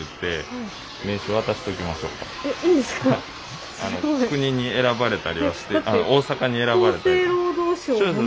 すごい。国に選ばれたりはして大阪に選ばれて。